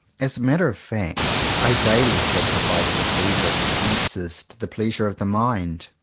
As a matter of fact, I daily sacrifice the pleasure of the senses to the pleasure of the mind.